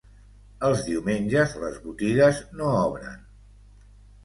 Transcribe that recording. Els diumenges les botigues no obren.